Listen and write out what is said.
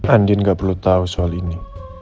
andin gak perlu tahu soal ini